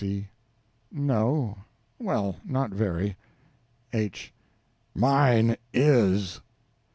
C. No well, not very. H. Mine is.